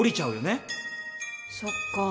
そっか。